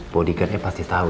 bodyguardnya pasti tau